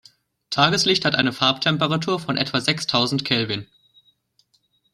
Tageslicht hat eine Farbtemperatur von etwa sechstausend Kelvin.